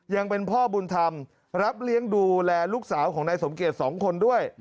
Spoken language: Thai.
ยังเป็นพ่อบุญธรรมรับเลี้ยงดูแลลูกสาวของนายสมเกต๒คนด้วย